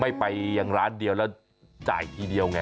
ไม่ไปอย่างร้านเดียวแล้วจ่ายทีเดียวไง